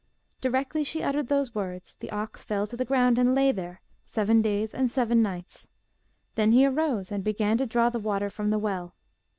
Directly she uttered these words the ox fell to the ground and lay there, seven days and seven nights. Then he arose and began to draw the water from the well.